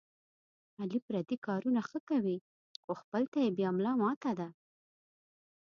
علي پردي کارونه ښه کوي، خو خپل ته یې بیا ملا ماته ده.